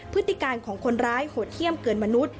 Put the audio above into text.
พฤติการของคนร้ายโหดเยี่ยมเกินมนุษย